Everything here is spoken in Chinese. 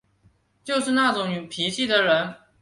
就是那种脾气的人